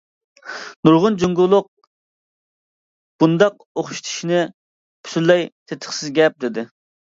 نۇرغۇن جۇڭگولۇق بۇنداق ئوخشىتىشنى ‹ ‹پۈتۈنلەي تېتىقسىز گەپ› ›، دېدى.